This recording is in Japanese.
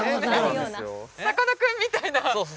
さかなクンみたいなそうです